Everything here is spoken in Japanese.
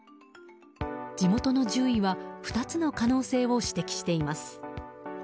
地元の獣医は２つの可能性を指摘しています。